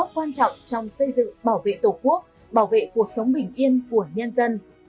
quan trọng trong xây dựng bảo vệ tổ quốc bảo vệ cuộc sống bình yên của nhân dân